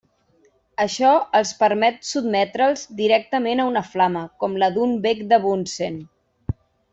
Això els permet sotmetre'ls directament a una flama, com la d'un bec de Bunsen.